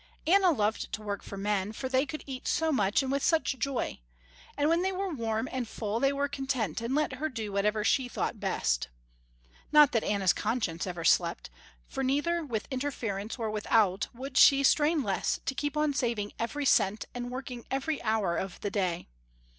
Anna loved to work for men, for they could eat so much and with such joy. And when they were warm and full, they were content, and let her do whatever she thought best. Not that Anna's conscience ever slept, for neither with interference or without would she strain less to keep on saving every cent and working every hour of the day.